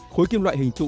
khối kim loại hình trụ